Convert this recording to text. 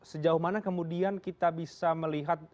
sejauh mana kemudian kita bisa melihat